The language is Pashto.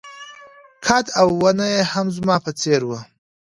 قد او ونه يې هم زما په څېر وه.